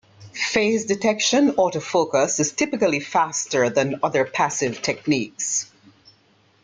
Phase-detection autofocus is typically faster than other passive techniques.